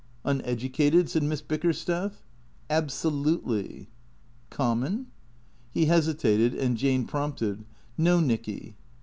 " Uneducated ?" said Miss Bickersteth. " Absolutely." "Common?" He hesitated and Jane prompted. " No, Nicky."